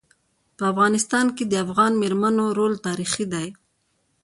په افغانستان کي د افغان میرمنو رول تاریخي دی.